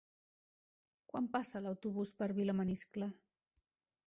Quan passa l'autobús per Vilamaniscle?